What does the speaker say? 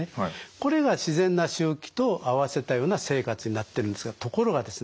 これが自然な周期と合わせたような生活になってるんですがところがですね